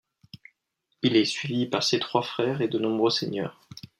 Il est suivi par ses trois frères et de nombreux seigneurs.